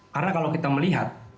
karena kalau kita melihat